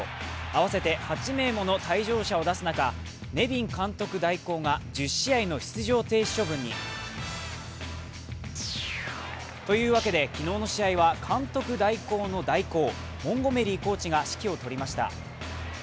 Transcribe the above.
合わせて８名もの退場者を出す中ネビン監督代行が１０試合の出場停止処分に。というわけで昨日の試合は監督代行の代行、モンゴメリーコーチが指揮を執りました。